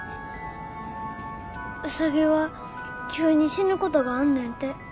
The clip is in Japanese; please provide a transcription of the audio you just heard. ウサギは急に死ぬことがあんねんて。